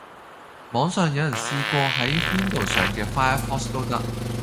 網上有人試過喺 Windows 上既 Firefox 都得